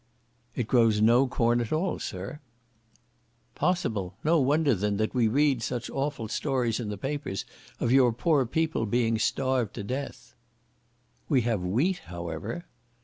] "It grows no corn at all, sir.'" "Possible! no wonder, then, that we reads such awful stories in the papers of your poor people being starved to death." "We have wheat, however."